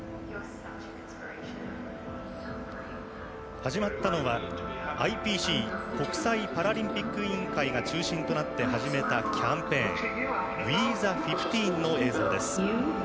始まったのはＩＰＣ＝国際パラリンピック委員会が中心となって始めたキャンペーン「ＷＥＴＨＥ１５」の映像です。